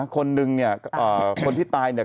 คนนึงเนี่ยคนที่ตายเนี่ย